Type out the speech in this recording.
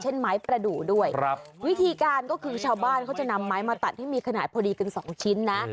ไม้ประดูกด้วยวิธีการก็คือชาวบ้านเขาจะนำไม้มาตัดให้มีขนาดพอดีกันสองชิ้นนะ